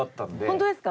本当ですか？